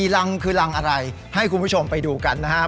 รังคือรังอะไรให้คุณผู้ชมไปดูกันนะครับ